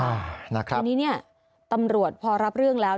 ทีนี้ตำรวจพอรับเรื่องแล้ว